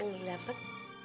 yang lo dapet